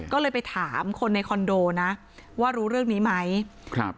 ก็เลยไปถามคนในคอนโดนะว่ารู้เรื่องนี้ไหมครับ